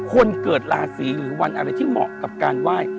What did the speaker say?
คนเกิดราศีหรือวันอะไรที่เหมาะกับการไหว้